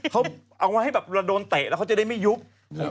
เขาเอาไว้แบบโดนเตะแล้วเขาจะได้ไม่ยุบหรือ